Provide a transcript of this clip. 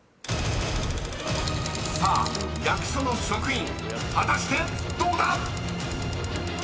［さあ役所の職員果たしてどうだ⁉］